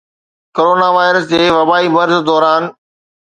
corona virus جي وبائي مرض دوران